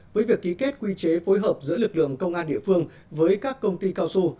với việc ký kết quy chế phối hợp giữa lực lượng công an địa phương với các công ty cao su